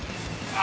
あ！